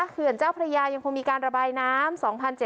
เขื่อนเจ้าพระยายังคงมีการระบายน้ำ